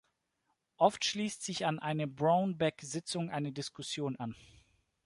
Oft schließt sich an eine Brownbag-Sitzung eine Diskussion an.